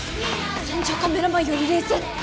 戦場カメラマンより冷静！